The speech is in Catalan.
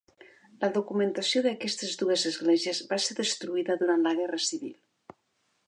La documentació d'aquestes dues esglésies va ser destruïda durant la guerra civil.